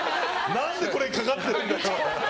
何で、これにかかってるんだよ！